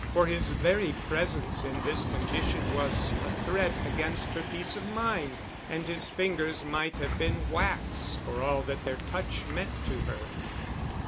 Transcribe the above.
For his very presence in this condition was a threat against her peace of mind. And his fingers might have been wax for all that their touch meant to her.